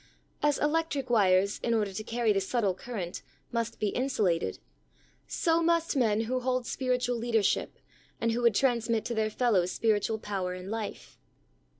As electric wires in order to carry the subtle current, must be insulated, so must men who hold spiritual leadership and who would transmit to their fellows spiritual power and life.